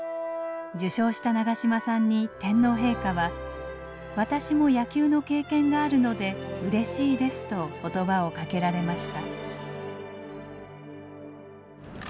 受章した長嶋さんに天皇陛下は私も野球の経験があるのでうれしいですと言葉をかけられました。